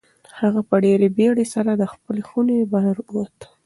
هغه په ډېرې بېړۍ سره له خپلې خونې بهر ووت.